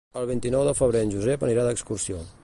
El vint-i-nou de febrer en Josep anirà d'excursió.